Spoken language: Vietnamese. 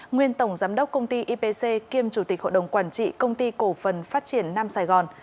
nguyên tổng giám đốc công ty ipc kiêm chủ tịch hội đồng quản trị công ty cổ phần phát triển nam sài gòn